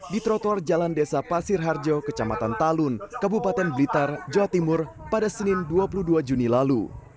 di trotoar jalan desa pasir harjo kecamatan talun kabupaten blitar jawa timur pada senin dua puluh dua juni lalu